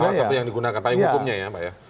salah satu yang digunakan paling hukumnya ya pak ya